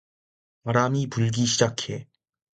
바람이 불기 시작해